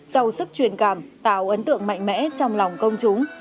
sau sức truyền cảm tạo ấn tượng mạnh mẽ trong lòng công chúng